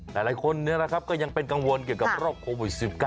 หลายคนก็ยังเป็นกังวลเกี่ยวกับโรคโควิด๑๙